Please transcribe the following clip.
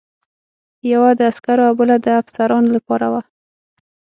یوه د عسکرو او بله د افسرانو لپاره وه.